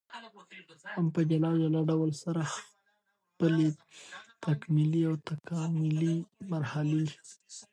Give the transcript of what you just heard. هم په جلا جلا ډول سره خپلي تکمیلي او تکاملي مرحلې